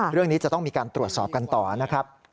เรื่องนี้จะต้องมีการตรวจสอบกันต่อนะครับ